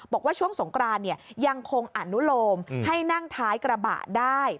บอกว่าช่วงสงกรานยังคงอนุโลมให้นั่งท้ายกระบะได้